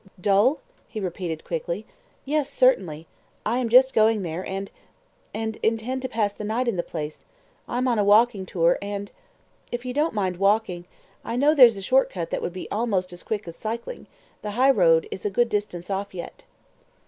"Dol?" he repeated quickly. "Yes, certainly. I am just going there, and and intend to pass the night in the place. I'm on a walking tour, and if you don't mind walking I know there's a short cut that would be almost as quick as cycling; the high road is a good distance off yet."